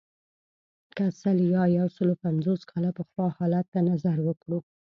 که سل یا یو سلو پنځوس کاله پخوا حالت ته نظر وکړو.